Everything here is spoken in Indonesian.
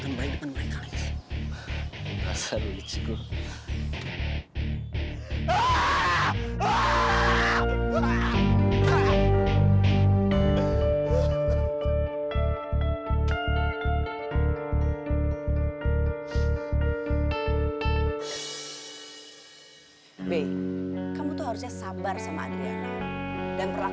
tapi kok gak bicarain dulu sih sama reva